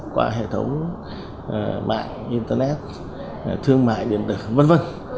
qua hệ thống mạng internet thương mại điện tử v v